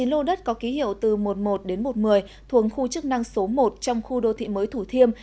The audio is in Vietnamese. chín lô đất có ký hiệu từ một mươi một đến một mươi thuồng khu chức năng số một trong khu đô thị mới thủ thiêm